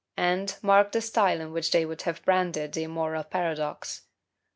And, mark the style in which they would have branded the immoral paradox!